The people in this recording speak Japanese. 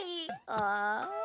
ああ。